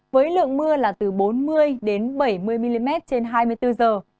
với lượng mưa là từ bốn mươi đến bảy mươi mm trên hai mươi bốn giờ